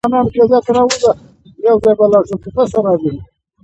د ملي قیام رهبري پر غاړه واخلي.